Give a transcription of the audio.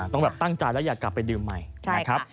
ต้องแบบตั้งใจแล้วอยากกลับไปดื่มใหม่นะครับ